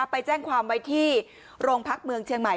ไปแจ้งความไว้ที่โรงพักเมืองเชียงใหม่